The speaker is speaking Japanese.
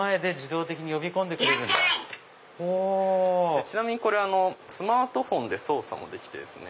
ちなみにスマートフォンで操作もできてですね